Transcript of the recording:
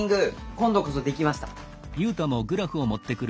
今度こそ出来ました！